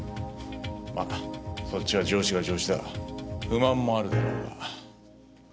まそっちは上司が上司だ不満もあるだろうが。